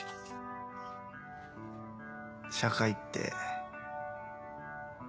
社会って。